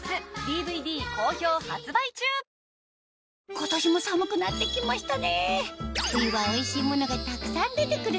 今年も寒くなって来ましたね出て来る